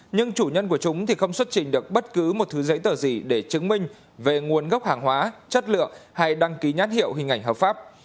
nhưng chủ nhân của chúng thì không xuất trình được bất cứ một thứ giấy tờ gì để chứng minh về nguồn gốc hàng hóa chất lượng hay đăng ký nhãn hiệu hình ảnh hợp pháp